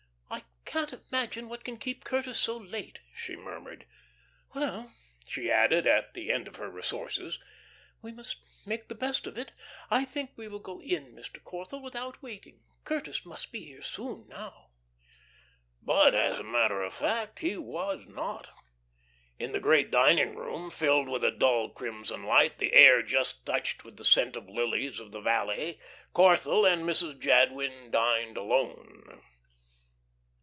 "I can't imagine what can keep Curtis so late," she murmured. "Well," she added, at the end of her resources, "we must make the best of it. I think we will go in, Mr. Corthell, without waiting. Curtis must be here soon now." But, as a matter of fact, he was not. In the great dining room, filled with a dull crimson light, the air just touched with the scent of lilies of the valley, Corthell and Mrs. Jadwin dined alone.